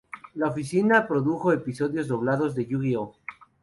La oficina produjo episodios doblados de "Yu-Gi-Oh!